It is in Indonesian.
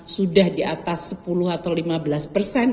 sudah di atas sepuluh atau lima belas persen